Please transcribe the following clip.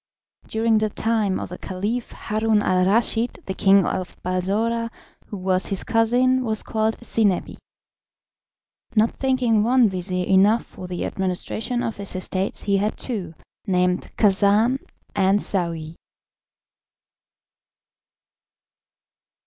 During the time of the Caliph Haroun al Raschid the king of Balsora, who was his cousin, was called Zinebi. Not thinking one vizir enough for the administration of his estates he had two, named Khacan and Saouy.